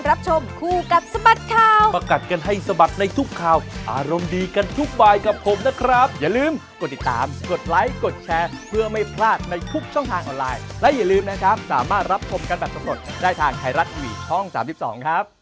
รับคมกันแบบสมมติได้ทางไทยรัฐอีวียช่อง๓๒ครับ